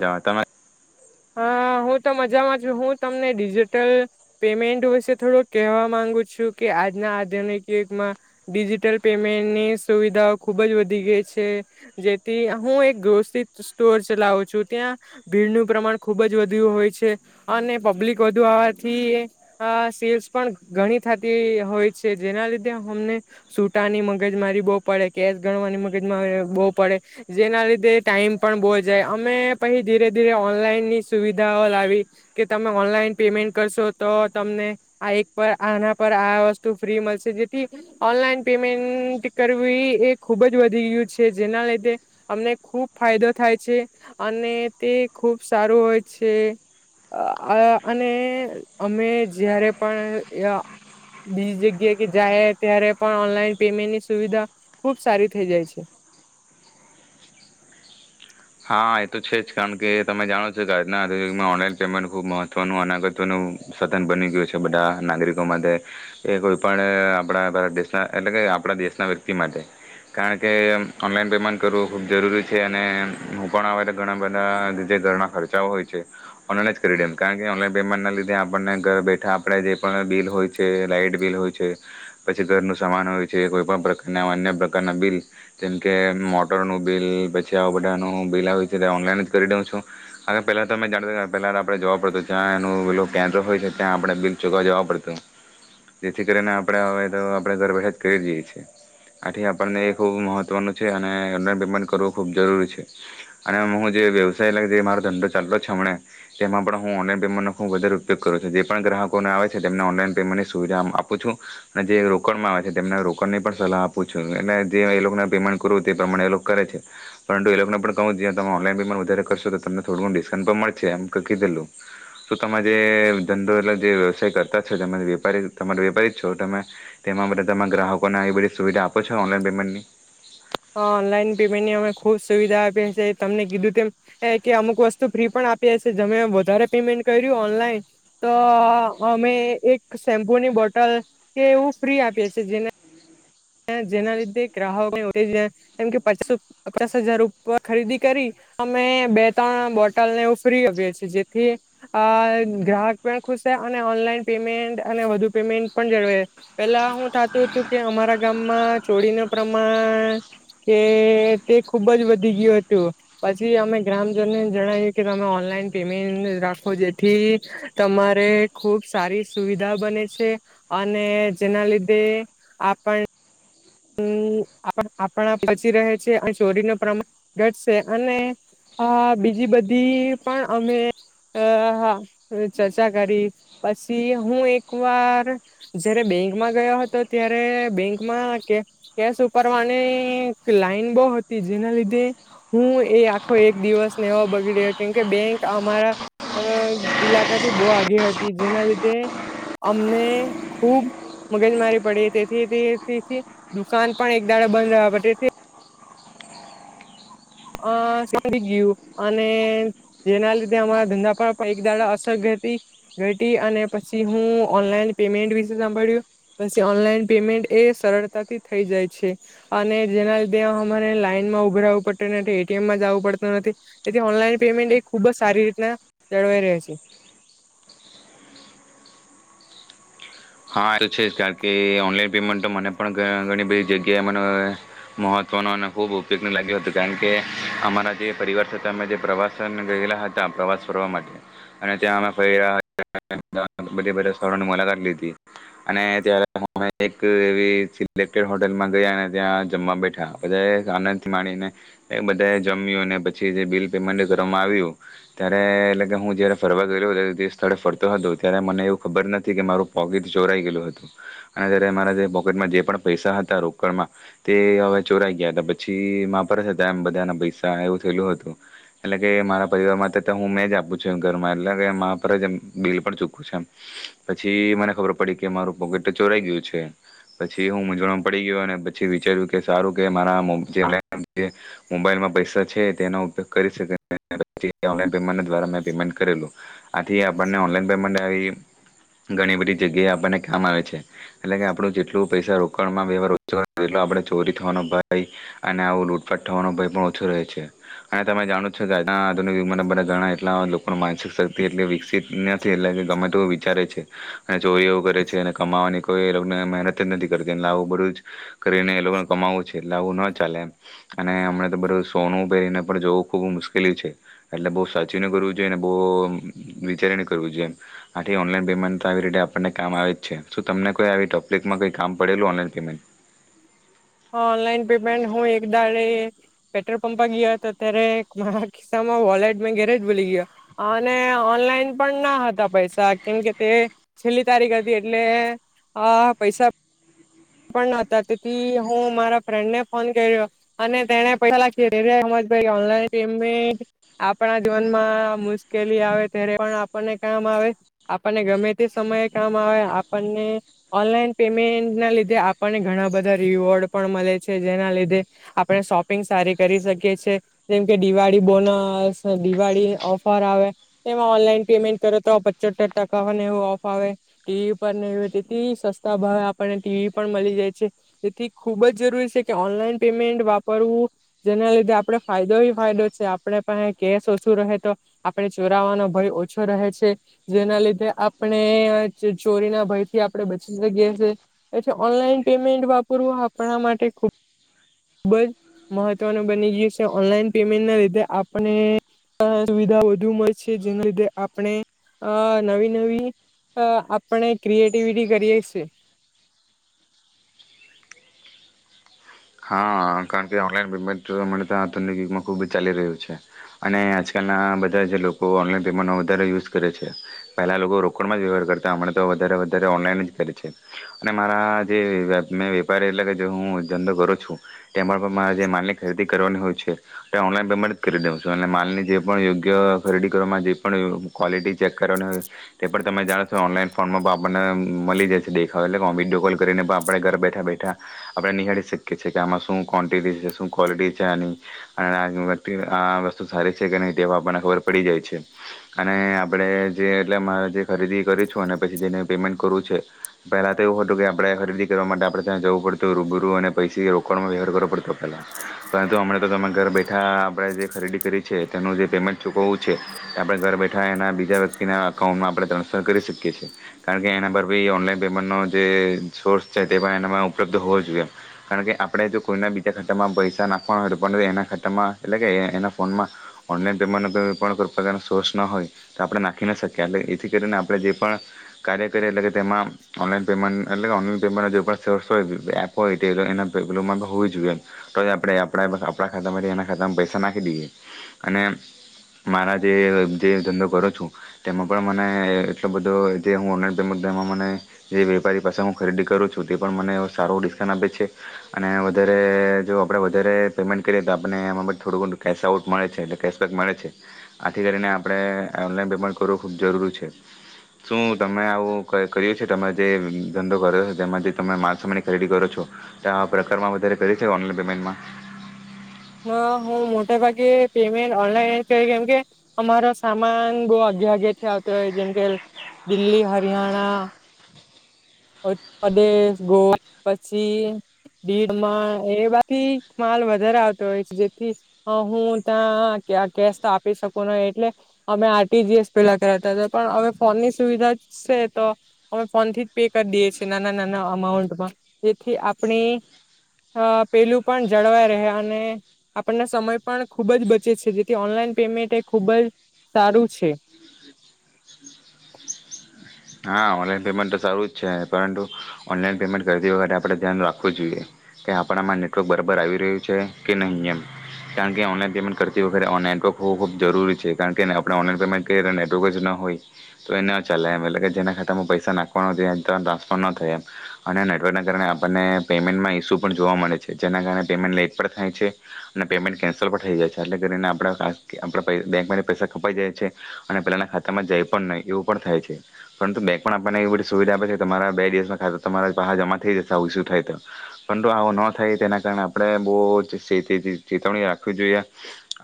જાંવ તમે હા હું તો મજામાં છું, હું તમને ડિજિટલ પેમેન્ટ વિશે થોડુંક કહેવા માંગુ છું કે આજના આધુનિક યુગમાં ડિજિટલ પેમેન્ટની સુવિધાઓ ખુબ જ વધી ગેઈ છે, જેથી હું એક ગોસીત સ્ટોર ચલાવું છું, ત્યાં ભીડનું પ્રમાણ ખૂબ જ વધ્યું હોય છે અને પબ્લિક વધુ આવવાથી અ સેલ્સ પણ ઘણી થાતી હોય છે, જેના લીધે અમને સૂટાની મગજ મારી બઉ પડે, કેશ ગણવાની મગજમાંરી બઉ પડે, જેના લીધે ટાઈમ પણ બો જાય, અમે પહી ધીરે ધીરે ઓનલાઈનની સુવિધાઓ લાવી કે તમે ઓનલાઈન પેમેન્ટ કરશો, તો તમને આ એક પર આના પર આ વસ્તુ ફ્રી મલશે, જેથી ઓનલાઈન પેમેન્ટ કરવી એ ખુબ જ વધી ગયુ છે, જેના લીધે અમને ખૂબ ફાયદો થાય છે અને તે ખૂબ સા રૂ હોય છે અ અને અમે જયારે પણ અ બીજી જગ્યા કે જાયે ત્યારે પણ ઓનલાઈન પેમેન્ટની સુવિધા ખુબ સારી થેઈ જાય છે. હા એ તો છે જ, કાણ કે તમે જાણો છો કે આજના આધુનિક યુગમાં ઓનલાઈન પેમેન્ટ ખૂબ મહત્ત્વનું અને ગત્વનું સધન બની ગયું છે, બધા નાગરિકો માટે કે કોઈપણ આપણા ભારત દેશના એટલે કે આપણા દેશના વ્યક્તિ માટે કાણ કે ઓનલાઈન પેમેન્ટ કરવું ખૂબ જરૂરી છે અને હું પણ અવે તે ઘણા બધા જે ઘરના ખર્ચાઓ હોય છે, ઓનલાઈન જ કરી દેમ, કારણ કે ઓનલાઈન પેમેન્ટના લીધે આપણને ઘરે બેઠા આપડે જે પણ બિલ હોય છે, લાાઈટ બિલ હોય છે, પછી ઘરનું સામાન હોય છે, કોઈ પણ પ્રકારના અન્ય પ્રકારના બિલ જેમકે મોટરનું બિલ પછી આવુ ઢાનું બિલ આવે હોય છે તે ઓનલાઈન જ કરી દઉં છું, [unintelligible] પેલાં તમે જાણતા તા પહેલાના આપણે જવા પડતું જ્યાં એનું બિલો કેન્દ્ર હોય છે ત્યાં આપણે બિલ ચુકવવા જવા પડતું, જેથી કરીને આપણે હવે તો આપણે ઘર બેઠા જ કરી દીએ છીએ, આથી આપણને એ ખૂબ મહત્વનું છે અને ઓનલાઈન પેમેન્ટ કરવું ખૂબ જરૂરી છે. અને મુંહ જે વ્યવસાય એટલે જે મારો ધંધો ચાલતો છે અમણે તેમાં પણ હું ઓનલાઈન પેમેન્ટનો ખૂબ વધારે ઉપયોગ કરું છું, જે પણ ગ્રાહકોને આવે છે તેમને ઓનલાઈન પેમેન્ટની સુવિધા આપું છું અને જે રોકડમાં આવે છે તેમને રોકડની પણ સલાહ આપું છું, એટલે જે હોય એ લોકોને પેમેન્ટ કરું તે પ્રમાણે ઐ લોક કરે છે પરંતુ પણે પણ કહું જ્યા તમે ઓનલાઈન પેમેન્ટ વધારે કરશો તો તમને થોડું ઘણુ ડિસ્કાઉન્ટ પણ મળછે એમ ક કીધેલું, તો તમે જે ધંધો એટલે જે વ્યવસાય કરતા છો તમારે વેપારી તમારે વેપારી જ છો તમે તેમાં બધા તમા ગ્રાહકોને આવી બધી સુવિધા આપો છો ઓનલાઈન પેમેન્ટની? ઓનલાઈન પેમેન્ટની અમે ખુબ સુવિધા આપીએ છીએ, તમને કીધું તેમ એ કે અમુક વસ્તુ ફ્રી પણ આપીએ છે, જેમે વધારે પેમેન્ટ કર્યું ઓનલાઈન તો અ અમે ઓ એક શેમ્પુની બોટલ કે એવું ફ્રી આપીએ છે જેને જેના લીધે ગ્રાહકો [unintelligible] કેમ કે પાચસો પચાસ હજાર રૂપા ખરીદી કરી અમે બે તણ બોટલને એવુ ફ્રી આપએ છીએ, જેથી આ ગ્રાહક પણ ખુસે અને ઓનલાઈન પેમેન્ટ અને વધુ પેમેન્ટ પણ જળવાપ, પેલા હું થાતું તું કે અમારા ગામમાં ચોરીનું પ્રમાણ કે તે ખુબ જ વધી ગયું હતું, પછી અમે ગ્રામજનોને જણાવ્યું કે તમે ઓનલાઈન પેમેન્ટ રાખો જેથી તમારે ખુબ સારી સુવિધા બને છે અને જેના લીધે આપણ [unintelligible] આપણા પછી રહે છે અને ચોરીનું પ્રમાણ ઘટશે અને અ બીજી બધી પણ અમે અ હ ચર્ચા કરી, પછી હું એક વાર જયારે બેંકમાં ગયો હતો ત્યારે બેંકમાં કે કેશ ઉપારવાની લાઈન બો હતી જેના લીધે હું એ આખો એક દિવસ ને એવો બગડ્યો કેમકે બેંક અમારા અ ઈલાકાથી બહુ આઘી હતી જેના લીધે અમને ખુબ મગજમારી પડી તેથી તે તેથી દુકાન પણ એક દાડો બંધ રહ્યા પ તેથી અ સમય બી ગયું અને જેના લીધે અમારા ધંધા પર પણ એક દાડા અસર ઘટી ઘટી અને પછી હું ઓનલાઈન પેમેન્ટ વિશે સાંભળ્યું પછી ઓનલાઈન પેમેન્ટ એ સરળતાથી થઈ જાય છે અને જેના લીધે અમારે લાઈનમાં ઉભા રેવું પડ તેનાથી એ ટી એમ મા જાવુ પડતું નથી એથી ઓનલાઈન પેમેન્ટ એ ખુબ સારી રીતના જળવાઈ રેહ છે. હા એ તો છે જ કારણ કે ઓનલાઈન પેમેન્ટ તો મને પણ ઘ ઘણી બધી જગ્યાએ મને મહત્વનો અને ખૂબ ઉપયોગનું લાગ્યું હતું, કારણ કે અમારા જે પરિવાર છે તે અમે જે પ્રવાસ ને ગેયલા હતા પ્રવાસ ફરવા માટે અને ત્યાં અમે ફયરા [unintelligible] બ બધા સ્થળોની મુલાકાત લીધી. અને ત્યારે હ અમે એક એવી સિલેક્ટડ હોટેલમાં ગયા અને ત્યાં જમવા બેઠા, બધાએ આનંદથી માણીને બધાએ જમ્યું અને પછી જે બિલ પેમેન્ટ [unintelligible] આવ્યું ત્યારે એટલે કે હું જયારે ફરવા ગયો જે તે સ્થળે ફરતો હતો ત્યારે મને એવું ખબર નથી કે મારું પોકેટ ચોરાઈ ગેયલું હતું અને ત્યારે મારા જે પોકેટમાં જે પણ પૈસા હતા રોકડમાં તે હવે ચોરાઈ ગયા હતા, પછી માવ પર જ હતા એમ બધાના પૈસા એવું થેયલું હતું, એટલે કે મારા પરિવારમાં તો તે હું મેં જ આપું છું એમ ઘરમાં એટલે કે માર પર જ એ બિલ પણ ચૂકું છે એમ પછી મને ખબર પડી કે મારું પોકેટ ચોરાઈ ગયું છે, પછી હું મૂઝવણમાં પડી ગયો અને પછી વિચાર્યું કે સારું કે મારા મો જે [unintelligible] મોબાઈલમાં પૈસા છે તેનો ઉપયોગ કરી શકે ને પછી ઓનલાઈન પેમેન્ટ દ્વારા મે પેમેન્ટ કરેલું, આથી આપણને ઓનલાઈન પેમેન્ટ આવી ઘણી બધી જગ્યાએ આપણને કામ આવે છે. એટલે કે આપણું જેટલું પૈસા રો કડમાં વેવાર ઓછો રાખે એટલે આપણે ચોરી થવાનો ભય અને આવું લૂટફાટ થવાનો ભય પણ ઓછો રહે છે અને તમે જાણો જ છો કે આના આધુનિક યુગમાં ના બધા ઘણા એટલા લોકો માનસિક શક્તિ એટલી વિકસિત નથી એટલે ગમે તેવુ વિચારે છે. અને ચોરી એવું કરે છે અને કમાવવાની કોઈ એ લોકોને મહેનત જ નથી કરવી એટલે આવું બધું જ કરીને એ લોકોને કમાવું છે એટલે આવું ન ચાલે એમ અને હમણા તો બધું સોનું પહેરીને પણ જવું ખૂબ મુશ્કેલી છે એટલે બહુ સાચવીને ફરવું જોઈએ અને બો વિચારીને કરવું જોઈએ, આથી ઓનલાઈન પેમેન્ટ તો આવી રીતે આપણને કામ આવે જ છે, શું તમને કોઈ આવી ટકલીફમાં કંઈ કામ પડેલું ઓનલાઈન પેમેન્ટ? ઓનલાઈન પેમેન્ટ હું એક દાડે પેટ્રોલ પંપા ગીયો હતો ત્યારે માહાહા ખિસ્સામાં વોલેટ મે ઘેરેજ ભુલી ગયો અને ઓનલાઈન પણ ના હતા પૈસા કેમકે તે છેલ્લી તારીખ હતી એટલે અ પૈસા પણ નતા, તેથી હું મારા ફ્રેન્ડને ફોન કર્યો અને તેને પૈહા લાખી [unintelligible] ઓનલાન પેમેન્ટ આપણા જીવનમાં મુશ્કેલી આવે ત્યારે પણ આપણને કામ આવે, આપણને ગમે તે સમયે કામ આવે, આપણને ઓનલાઈન પેમેન્ટના લી ધે આપણને ઘણા બધા રીવોર્ડ પણ મળે છે, જેના લીધે આપણે શોપિંગ સારી કરી શકીએ છે, જેમકે દિવાળી બોનસ દિવાળી ઓફર આવે તેમાં ઓનલાઈન પેમેન્ટ કરો તો પચોતર ટકા ને એવું ઓફ આવે ટી વી પર ને [unintelligible] સસ્તા ભાવે આપણને ટી વી પણ મળી જાય છે તેથી ખુબ જ જરૂરી છે કે ઓનલાઈન પેમેન્ટ વાપરવું જેના લીધે આપણે ફાયદો ફાયદો છે આપણે પાસે કેશ ઓછો રહે તો આપણે ચોરાવાનો ભય ઓછો રહે છે જેના લીધે આપણે ચોરીના ભયથી આપણે બચી શકીએ છી એછ ઓનલાઈન પેમેન્ટ વાપરવું આપણા માટે ખૂબ ખૂબ જ મહત્વનું બની ગયું છે ઓનલાઈન પેમેન્ટના લીધે આપને સુવિધા વધુ મળશે જેના લીધે આપણે નવી નવી આપણે ક્રિએટિવિટી કરીએી હા કારણ કે ઓનલાઈન પેમેન્ટ અ તો આતન ુગમાં ખૂબ જ ચાલી રહ્યું છે અને આજકાલના બધા જે લોકો ઓનલાઈન પેમેન્ટનો વધારે યુઝ કરે છે પહેલા લોકો રોકડમાં જ વ્યવહાર કરતા હમણાં તો વધારે વધારે ઓનલાઈન જ કરે છે અને મારા જે મેં વેપારી એટલે કે જે હું ધંધો કર છ. રે જે માલ ની ખરીદી કરવાની હોય છે તે ઓનન પેમેન્ટ કરી દઉં છું અને માલની જે પણ યોગ્ય ખરીદી કરવા જે ક્વલિટી ચેક કરવાની હોય તે પણ તમે જાણો છો ઓનલાઈન ફોર્મમાં આપણને મળી જશે દેખાવ એટલે વિડીયો કોલ કરીને પણ આપણે ઘર બેઠા બેઠા આપણે નિહાળીકી કે છે કે આમાં શું ક્વોન્ટિટી છે શું ક્વોલિટી છે આની અને વ્યક્ આ વસ્તુ સારી છે કે નહીં તેવા આપણને ખબર પડી જાય છે અને આપણે જે એટલે અમારે જે ખરીદી કરી છું અને પછી જેને પેમેન્ટ કરવું છે પહેલાં તો એવું હતું કે આપણે ખરીદી કરવા માટે આપણે ત્યાં જવું પડતું રૂબરૂ અને પૈ રોકડમાં વ્યવહાર કરવોડતો પહેલાં પરંતુ હમણાં તો તમે ઘર બેઠા આપણે જે ખરીદી કરી છે તેનું જે પેમેન્ટ ચૂકવવું છે તે આપણે ઘર બેઠા એના બીજા વ્યક્તિના અકાઉન્ટમાં આપણે ટ્રાન્સફર કરી શકીએ છીએ કારણ કે એના પર ભી ઓનલાઈન પેમેન્ટનો જે સોર્સ છે તે પણ એનામાં ઉપલબ્ધ હોવો જોઈએ કારણ કે આપણે જો કોઈના બીજા ખાતામાં પૈસા નાખવાના હોય તો પણ એના ખાતામાં એટલે કે એના ફોનમાં ઓનલાઈન પેમેન્ટનો પણ પ્રકારનો સોર્સ ન હોય તો આપણે નાખી ન શકીએ એટલે એથી કરીને આપણે જે પણ કાર્ય કરીએ એટલે કે તેમાં ઓનલાઈન પેમેન્ટ એટલે કે ઓનલાઈન પેમેન્ટનો જે પણ સોર્સ હોય એપ હોય. તે એના પેલોમાં હોવી જોઈએ તો આપણે આપણા આપણા ખાતામાંથી એના ખાતામાં પૈસા નાખી દઈએ અને મારા જે જે ધંધો કરો છું તેમાં પણ મને એટલો બધો જે હું ઓનલાઈન પેમેન્ટ તેમાં મને જે વેપારી પાસે હું ખરીદી કરું છું તે પણ મને સારો ડિસ્કા પન આપે છે અને વધારે જો આપણે વધારે પેમેન્ટ કરીએ તો આપણને એમાં બ થોડું ઘણું કેશ આઉટ મળે છે એટલે કેશબેક મળે છે આથી કરીને આપણે ઓનલાઈન પેમેન્ટ કરવું ખૂબ જરૂરી છે શું તમે આવું કર્યું છે તમે જે ધંધો કરો છો તેમાં જે તમે માલસામાની ખરીદી કરો છો. આ પ્રકાર વધ કરી છે ઓનલાઈન પેમેન્ટમાં હ હું મોટા ભાગે પેમેન્ટ ઓનલાઈન કેમકે અમારો સામાન બહ આગ્યા આગ્યાથી આવતો હોય જેમકે દિલ્હી હરિયાણા ઉતરદેશ ગોવા પછી એથી માલ વધારે આવતો હોય છે જેથી હું ત્યાં કેશ તો આપી શકું ન એટલે અમે આરટીજીએસ પેલા કરતા હતા પણ હવે ફોનની સુવિધા છે તો અમે ફોન થી પે કરી દેએ છે નાના નાના અમાઉન્ટમાં જેથી આપણી પેલું પણ જળવાઈ રહે અને આપણના સમય પણ ખૂબ જ બચે છે જેથી ઓનલાઈન પેમેન્ટ એ ખૂબ જ સારું છે. હા ઓનલાઈન પેમેન્ટ તો સારું જ છે પરંતુ ઓનલાઈન પેમેન્ટ કરતી વખતે આપડણે ધ્યાન રાખવું જોઈએ કે આપણામાં નેટવર્ક બરાબર આવી રહ્યું છે કે નહીં એમ કારણ કે ઓનલાઈન પેમેન્ટ કરતી વખતે નેટવર્ક હોવું ખૂબ જરૂરી છે કારણ કે આપણે ઓનલાઈન પેમેન્ટ કરીએ નેટવર્ક જ ન હોય તો એ ન ચાલે એમ એટલે જેના ખાતામાં પૈસા નાખવાનો ત ટ્રાન્સફર ન થયા એમ અને નેટવર્કના કારણે આપણને પેમેન્ટમાં ઇસ્યુ પણ જોવા મળે છે જેના કારણે પેમેન્ટ લેઇટ પણ થાય છે અને પેમેન્ટ કેન્સલ પણ થઈ જાય છે એટલે કરીને આપણે ખાસ આપણા બેંકમાંથી પૈસા ખપાઈ જાય છે અને પહેલાંના ખાતામાં જઈ પણ નહીં એવું પણ થાય છે. પરંતુ બેક પણ આપણને એવી બધી સુવિધા આપે છે કે તમારા બે દિવસના ખાતા તો તમારા પાહા જમા થઈ જશે આવું શું થાય તો પરંતુ આવો ન થાય તેના કારણે આપણે બહુ ચેતવણી રાખવી જોઈએ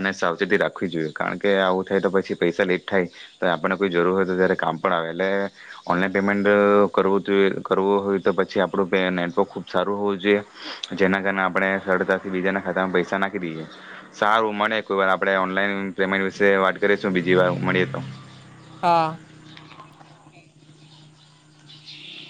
અને સાવચેતી રાખવી જોઈએ કારણ કે આવું થાય તો પછી પૈસા લેટ થાય તો આપણને કોઈ જરૂર હોય તો જ્યારે કામ આવે એટલે ઓનલાઈન પેમેન્ટ કરવ જોએ કરવું હોય તો પછી આપડું નેટવર્ક ખુબ સારું હોવું જોઈએ જેના કારણે આપણે સરળતાથી બીજાના ખાતામાં પૈસા નાખી દઈએ સારું મળે કોઈ વાર આપણે ઓનલાઈ પેમેન્ટ વિશે વાત કરીશું બીજી વાર મળીએ તો હા